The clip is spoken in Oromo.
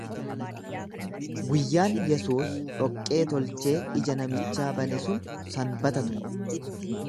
Guyyaan Yesuus dhoqqee tolchee ija namichaa bane sun Sanbata ture.